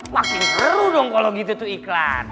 makin seru dong kalau gitu tuh iklan